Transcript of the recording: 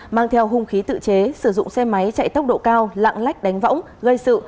mang theo hung khí tự chế sử dụng xe máy chạy tốc độ cao lạng lách đánh võng gây sự